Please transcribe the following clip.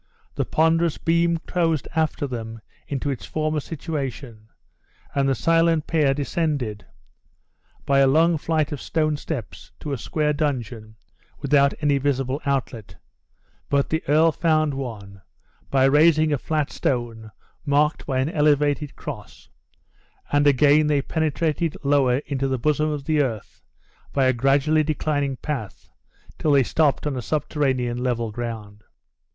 The ponderous beam closed after them into its former situation; and the silent pair descended, by a long flight of stone steps, to a square dungeon without any visible outlet; but the earl found one, by raising a flat stone marked by an elevated cross; and again they penetrated lower into the bosom of the earth by a gradually declining path till they stopped on a subterranean level ground.